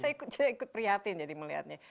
saya ikut prihatin jadi melihatnya